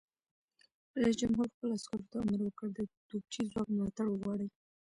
رئیس جمهور خپلو عسکرو ته امر وکړ؛ د توپچي ځواک ملاتړ وغواړئ!